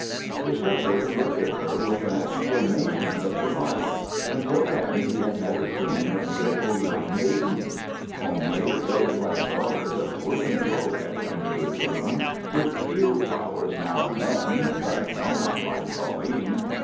The Shepherd looked at her with an exclamation of delight; until then he had never seen a beautiful young maiden. Homely, ill clad daughters of the working folk had come to his room with field flowers now and then, but no one like Pauline.